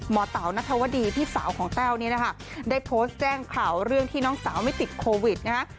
เต๋านัทวดีพี่สาวของแต้วนี้นะคะได้โพสต์แจ้งข่าวเรื่องที่น้องสาวไม่ติดโควิดนะฮะ